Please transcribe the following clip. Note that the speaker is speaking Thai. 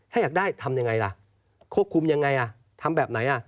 ถ้าอยากได้ทำยังไงล่ะควบคุมยังไงอ่ะทำแบบไหนอ่ะ